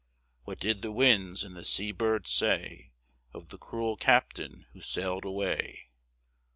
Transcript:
What did the winds and the sea birds say Of the cruel captain who sailed away?